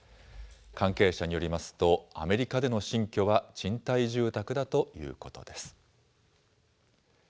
関係者によりますと、アメリカでの新居は賃貸住宅だということです。